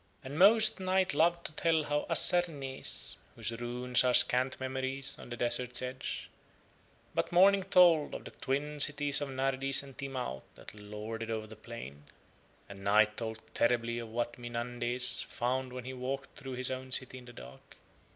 And most Night loved to tell of Assarnees, whose ruins are scant memories on the desert's edge, but Morning told of the twin cities of Nardis and Timaut that lorded over the plain. And Night told terribly of what Mynandes found when he walked through his own city in the dark.